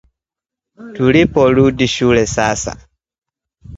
Tuliporudi shule sasa